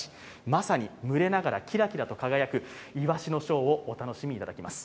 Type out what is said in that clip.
まさに群れながらキラキラと輝くイワシのショーを見ていただきます。